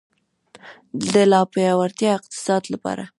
د لا پیاوړي اقتصاد لپاره.